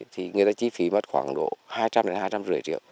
thì người ta chi phí mất khoảng độ hai trăm linh hai trăm năm mươi triệu